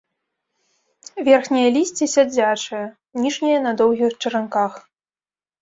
Верхняе лісце сядзячае, ніжняе на доўгіх чаранках.